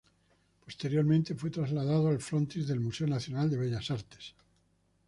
Posteriormente fue trasladado al frontis del Museo Nacional de Bellas Artes.